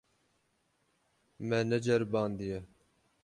Me neceribandiye.